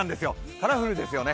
カラフルですよね。